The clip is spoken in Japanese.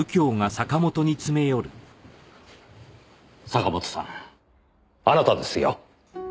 坂本さんあなたですよ。